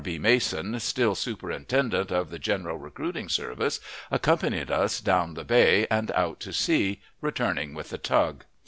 B. Mason, still superintendent of the general recruiting service, accompanied us down the bay and out to sea, returning with the tug.